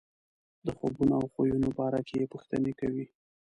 د خوبونو او خویونو باره کې یې پوښتنې کوي.